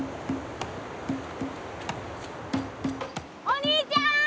お兄ちゃん！